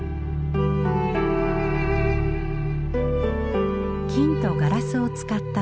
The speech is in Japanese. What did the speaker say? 金とガラスを使った装飾。